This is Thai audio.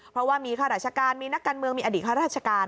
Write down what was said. เพราะว่ามีข้าราชการมีนักการเมืองมีอดีตข้าราชการ